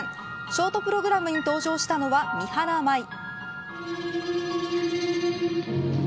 ショートプログラムに登場したのは三原舞依。